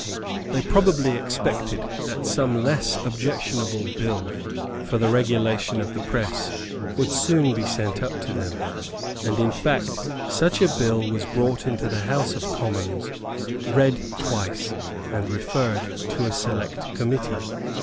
They probably expected that some less objectionable bill for the regulation of the press would soon be sent up to them; and in fact such a bill was brought into the House of Commons, read twice, and referred to a select committee.